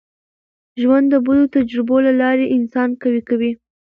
ژوند د بدو تجربو له لاري انسان قوي کوي.